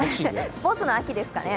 スポーツの秋ですからね。